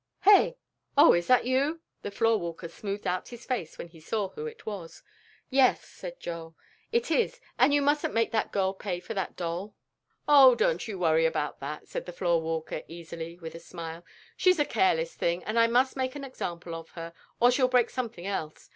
"Hey? Oh, is that you?" The floor walker smoothed out his face when he saw who it was. "Yes," said Joel, "it is, and you mustn't make that girl pay for that doll." "Oh, don't you worry about that," said the floor walker, easily, with a smile, "she's a careless thing and I must make an example of her, or she'll break something else.